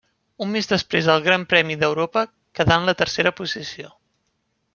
Un mes després al Gran Premi d'Europa, quedà en la tercera posició.